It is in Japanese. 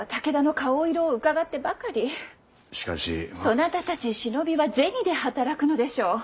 そなたたち忍びは銭で働くのでしょう。